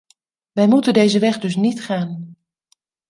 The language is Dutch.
Wij moeten deze weg dus niet gaan.